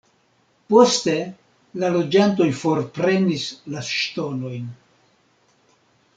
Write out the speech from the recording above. Poste la loĝantoj forprenis la ŝtonojn.